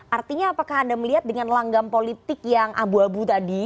artinya apakah anda melihat dengan langgam politik yang abu abu tadi